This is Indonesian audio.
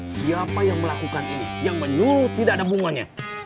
siapa yang melakukan ini yang menurut tidak ada hubungannya